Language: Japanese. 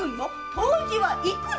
湯治は行くの？